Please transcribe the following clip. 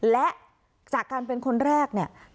และจากการเป็นคนแรก